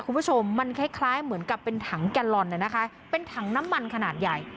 คุณผู้ชมมันคล้ายคล้ายเหมือนกับเป็นถังแกลลอนนะคะเป็นถังน้ำมันขนาดใหญ่